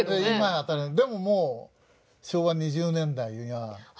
でももう昭和２０年代には。あったんだ。